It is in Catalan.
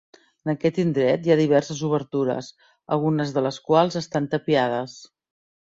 En aquest indret hi ha diverses obertures, algunes de les quals estan tapiades.